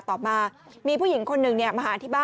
แถมยังไม่ยอมกลับอ่ะ